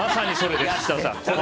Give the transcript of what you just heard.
まさにそれです、設楽さん。